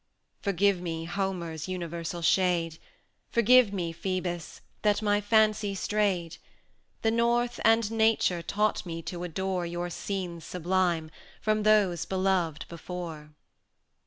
Forgive me, Homer's universal shade! Forgive me, Phœbus! that my fancy strayed; The North and Nature taught me to adore Your scenes sublime, from those beloved before.